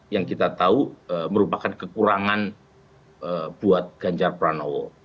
yang kita tahu merupakan kekurangan buat ganjar pranowo